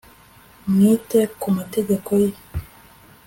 mwite ku mategeko ye